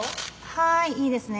はいいいですね。